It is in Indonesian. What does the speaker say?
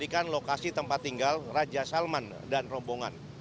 memberikan lokasi tempat tinggal raja salman dan rombongan